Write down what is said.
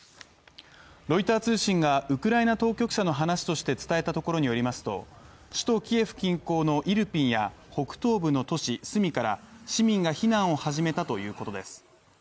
ロイター通信がウクライナ当局者の話として伝えたところによりますと首都キエフ近郊のイルピンや北東部の都市、スミから市民が避難を始めたということです。